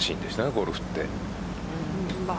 ゴルフって。